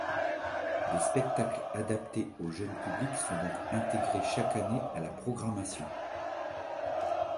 Des spectacles adaptés au jeune public sont donc intégrés chaque année à la programmation.